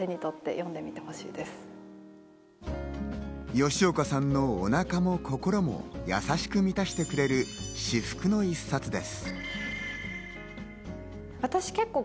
吉岡さんのおなかも心も優しく満たしてくれる至福の１冊です。